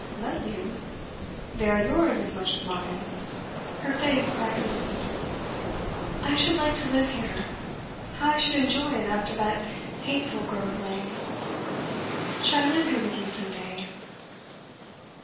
'Let you? They are yours as much as mine.' Her face brightened. 'I should like to live here; how I should enjoy it after that hateful Grove Lane! Shall I live here with you some day?